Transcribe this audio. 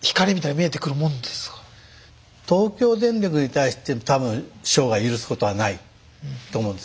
東京電力に対して多分生涯許すことはないと思うんです。